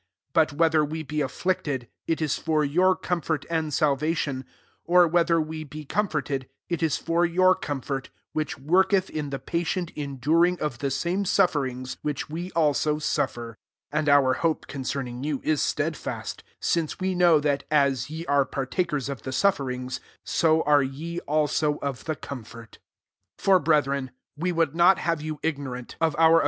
6 But wbe* ther we be afflicted, ii is fopyoqr comfort and salvation; or whe* ther we be comforted, it it ht ^our comfort, which workedi m the patient enduring of the same sufferings which we also suffer: 7 (and our hope cod cerning you i9 stedfast ;) si«e we know, that as ye are ptr< takers of the sufferings, so sic ye also of the comfort S For, brethren, we woi not have ypu ignorant of oar 2 CORINTHIANS II.